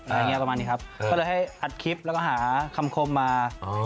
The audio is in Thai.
อะไรอย่างนี้ประมาณนี้ครับก็เลยให้อัดคลิปแล้วก็หาคำคมมา